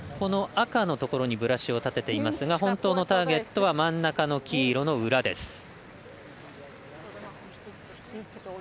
赤のところにブラシを立てていますが本当のターゲットは真ん中の黄色の裏です。